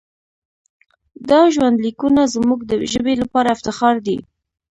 دا ژوندلیکونه زموږ د ژبې لپاره افتخار دی.